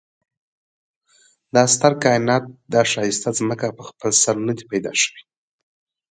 دا ستر کاينات دا ښايسته ځمکه په خپل سر ندي پيدا شوي